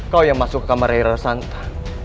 kau yang masuk ke kamar rai rarasanta